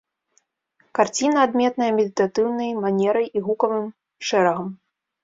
Карціна адметная медытатыўнай манерай і гукавым шэрагам.